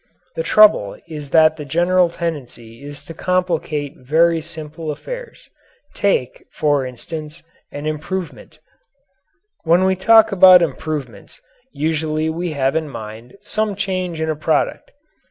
The trouble is that the general tendency is to complicate very simple affairs. Take, for an instance, an "improvement." When we talk about improvements usually we have in mind some change in a product.